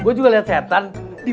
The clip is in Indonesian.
gue juga liat setan